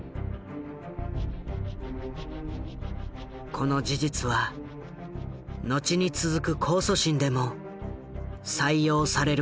この事実は後に続く控訴審でも採用されることになる。